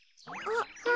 あっ。